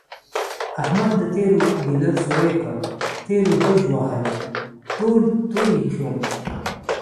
احمد د تېلو بیلر سوری کړ، تېلو بژوهل ټول تویې شول.